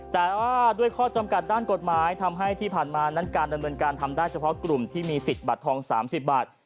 แต่ว่าด้วยข้อจำกัดด้านกฎหมายทำให้ที่ผ่านมานั้นการดำเนินการทำได้เฉพาะกลุ่มที่มีสิทธิ์บัตรทอง๓๐บาท